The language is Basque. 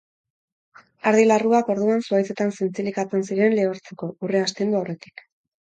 Ardi larruak, orduan, zuhaitzetan zintzilikatzen ziren lehortzeko, urrea astindu aurretik.